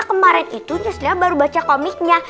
kemarin itu justru baru baca komiknya